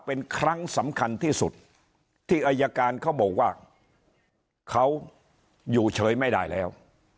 เป็นครั้งสำคัญที่สุดที่อายการเขาบอกว่าเขาอยู่เฉยไม่ได้แล้ว